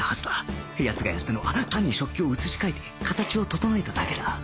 奴がやったのは単に食器を移し替えて形を整えただけだ